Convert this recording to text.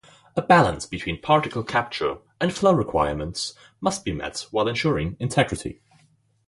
A balance between particle capture and flow requirements must be met while ensuring integrity.